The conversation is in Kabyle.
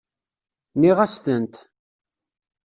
Nɣiɣ-as-tent.